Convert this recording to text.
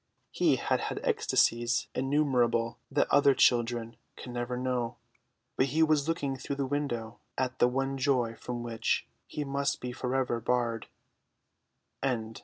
He had had ecstasies innumerable that other children can never know; but he was looking through the window at the one joy from which he must be for ever barred.